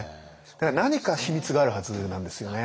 だから何か秘密があるはずなんですよね。